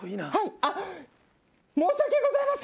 あっ申し訳ございません！